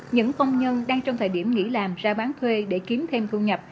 những công nhân đang trong thời điểm nghỉ làm ra bán thuê để kiếm thêm thu nhập